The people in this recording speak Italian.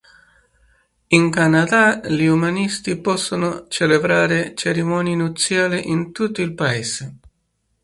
In Canada gli umanisti possono celebrare cerimonie nuziali in tutto il paese.